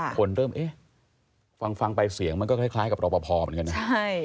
คนเริ่มเอ๊ะฟังไปเสียงมันก็คล้ายกับรอปภเหมือนกันนะ